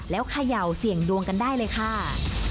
แล้วเขย่าเสี่ยงดวงกันได้เลยค่ะ